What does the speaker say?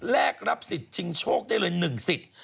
แรกรับสิทธิ์ชิงโชคได้เลย๑สิทธิ์